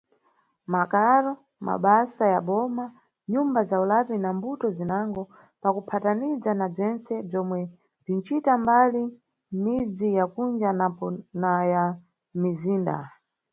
Mʼmakaro, mʼmabasa ya boma, nʼnyumba za ulapi na mbuto zinango, pakuphataniza na bzentse bzomwe bzinʼcita mbali mʼmidzi ya kunja napo na ya mʼmizinda.